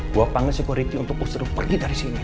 gue panggil sekuriti untuk usir lo pergi dari sini